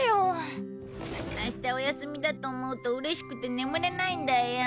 明日お休みだと思うとうれしくて眠れないんだよ。